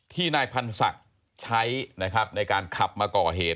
ที่นายพันธุ์ศักดิ์ใช้ในการขับมาก่อเหตุ